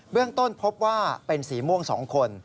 เรื่องต้นพบว่าเป็นสีม่วง๒คน